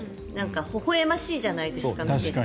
ほほ笑ましいじゃないですか。